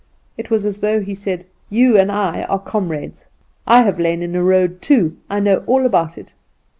It was as though he said, 'You and I are comrades. I have lain in a road, too. I know all about it.